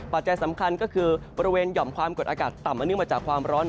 ปัจจัยสำคัญก็คือบริเวณหย่อมความกดอากาศต่ำอันเนื่องมาจากความร้อน